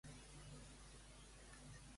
A partir de quins elements es va conèixer Artio?